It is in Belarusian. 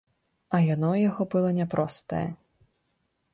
А яно ў яго было няпростае.